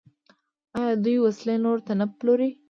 آیا دوی وسلې نورو ته نه پلوري؟